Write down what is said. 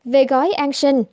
về gói an sinh